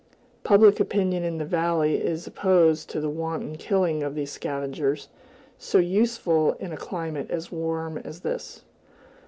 Public opinion in the valley is opposed to the wanton killing of these scavengers, so useful in a climate as warm as this.